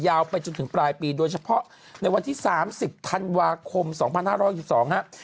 ไปจนถึงปลายปีโดยเฉพาะในวันที่๓๐ธันวาคม๒๕๖๒ครับ